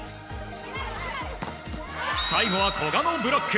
最後は古賀のブロック。